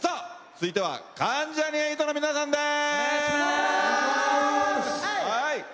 続いては関ジャニ∞の皆さんです。